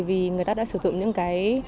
vì người ta đã sử dụng những cái